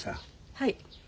はい。